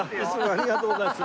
ありがとうございます。